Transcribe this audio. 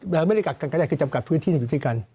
เราก็ไม่ได้กลักกันก็คือจับกันพื้นที่สุดที่กัน